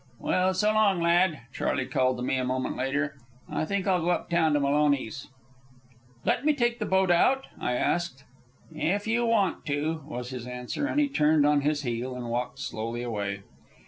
"Well, so long, lad," Charley called to me a moment later. "I think I'll go up town to Maloney's." "Let me take the boat out?" I asked. "If you want to," was his answer, as he turned on his heel and walked slowly away.